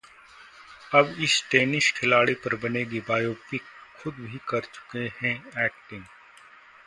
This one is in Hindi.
अब इस टेनिस खिलाड़ी पर बनेगी बायोपिक, खुद भी कर चुके हैं एक्टिंग